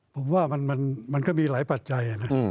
ผมว่ามันก็มีหลายปัจจัยนะ